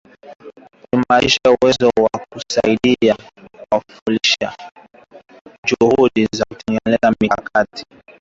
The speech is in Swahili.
kuimarisha uwezo wao wa kusaidia kufaulisha juhudi za utekelezaji wa mikakati